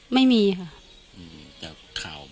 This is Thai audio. ไม่มีค่ะ